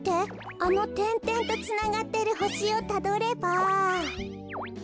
あのてんてんとつながってるほしをたどれば。